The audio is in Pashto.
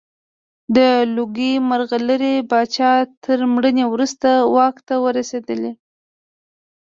د لوګي مرغلرې پاچا تر مړینې وروسته واک ته رسېدلی.